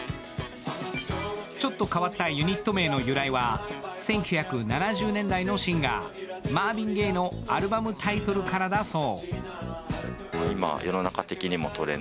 ちょっと変わったユニット名の由来は、１９７０年代のシンガー、マーヴィン・ゲイのアルバムタイトルからだそう。